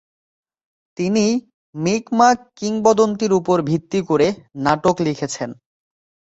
তিনি মিকমাক কিংবদন্তীর উপর ভিত্তি করে নাটক লিখেছেন।